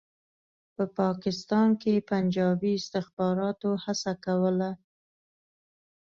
په پاکستان کې پنجابي استخباراتو هڅه کوله.